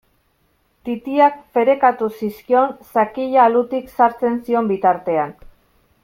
Titiak ferekatu zizkion sakila alutik sartzen zion bitartean.